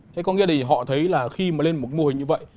thế có nghĩa thì họ thấy là khi mà lên một mô hình như vậy